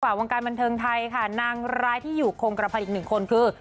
วงการบันเทิงไทยค่ะนางร้ายที่อยู่คงกระพันธ์อีกหนึ่งคนคือ